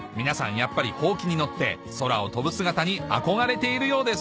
やっぱりホウキに乗って空を飛ぶ姿に憧れているようです